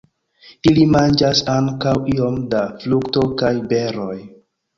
Ili manĝas ankaŭ iom da frukto kaj beroj.